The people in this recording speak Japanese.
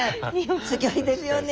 すギョいですよね